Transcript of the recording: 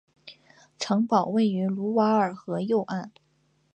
城堡位于卢瓦尔河右岸。